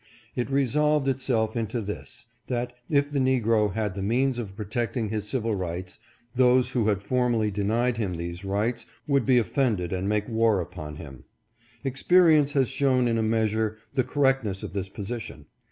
It resolved 461: REASONS FAVORING THE BALLOT. itself into this, that, if the negro had the means of protect ing his civil rights, those who had formerly denied him these rights would be offended and make war upon him. Experience has shown in a measure the correctness of this position.